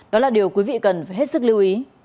đó là điều quý vị cần phải hết sức lưu ý